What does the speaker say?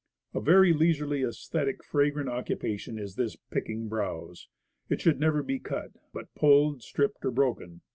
A very leisurely, aesthetic, fragrant occupation is this picking browse. It should never be cut, but pulled, stripped or broken.